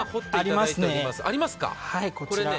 ありますね。